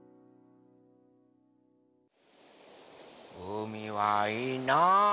うみはいいな。